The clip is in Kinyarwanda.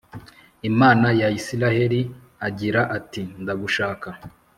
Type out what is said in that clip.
imana ya israheli, agira ati ndagushaka